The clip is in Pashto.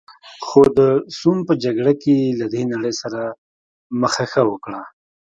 خو د سوم په جګړه کې یې له دې نړۍ سره مخه ښه وکړه.